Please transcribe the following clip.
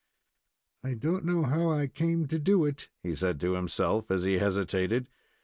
"I don't know how I came to do it," he said to himself, as he hesitated.